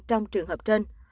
trong trường hợp trên